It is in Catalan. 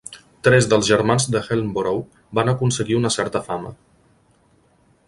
Tres dels germans d'Ellenborough van aconseguir una certa fama.